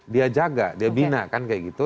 dia jaga dia bina kan kayak gitu